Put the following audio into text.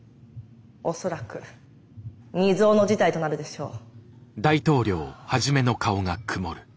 恐らく未曽有の事態となるでしょう。